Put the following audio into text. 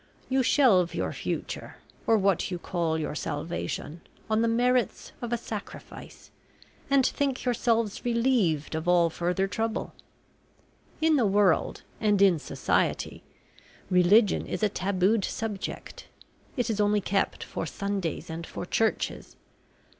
You shelve your future, or what you call your salvation, on the merits of a Sacrifice, and think yourselves relieved of all further trouble. In the world, and in society, religion is a tabooed subject it is only kept for Sundays and for churches.